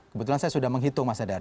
kebetulan saya sudah menghitung mas radar